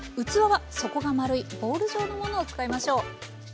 器は底が丸いボウル状のものを使いましょう。